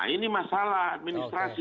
ini masalah administrasi